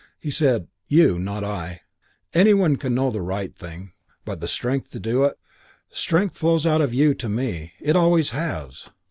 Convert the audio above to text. He said, "You. Not I. Any one can know the right thing. But strength to do it Strength flows out of you to me. It always has.